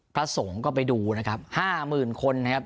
พระสงฆ์ก็ไปดูนะครับห้าหมื่นคนนะครับ